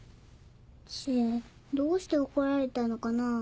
知恵どうして怒られたのかな？